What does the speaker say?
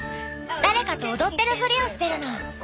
誰かと踊ってるフリをしてるの。